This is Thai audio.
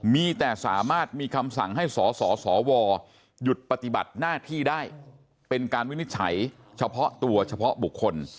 มีแต่สามารถมีคำสั่งให้สสวหยุดปฏิบัติหน้าที่ได้เป็นการวินิจฉัยเฉพาะตัวเฉพาะบุคคล